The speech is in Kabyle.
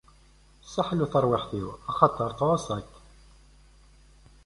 Sseḥlu tarwiḥt-iw, axaṭer tɛuṣa-k.